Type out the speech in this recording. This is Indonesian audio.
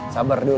sabar dulu ya